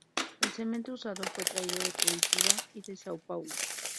El cemento usado fue traído de Curitiba y de São Paulo.